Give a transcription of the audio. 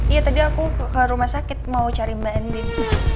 iya tadi aku ke rumah sakit mau cari mbak ending